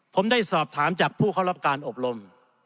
ผมได้สอบถามจากผู้เข้ารับการอบรม